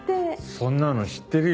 そんなの知ってるよ。